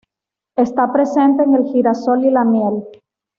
Está presente en el girasol y la miel.